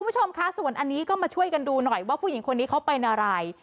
คุณผู้ชมคะส่วนอันนี้ก็มาช่วยกันดูหน่อยว่าผู้หญิงคนนี้เขาเป็นอะไร